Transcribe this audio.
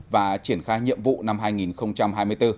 và triển khai nhiệm vụ năm hai nghìn hai mươi bốn